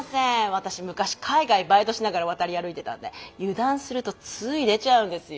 私昔海外バイトしながら渡り歩いてたんで油断するとつい出ちゃうんですよ